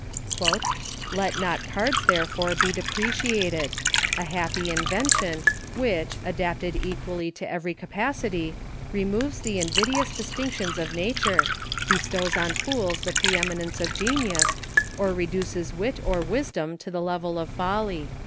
"Let not cards, therefore, be depreciated; a happy invention, which, adapted equally to every capacity, removes the invidious dis tinctions of nature, bestows on fools the pre eminence of genius, or reduces wit or wisdom to the level of folly."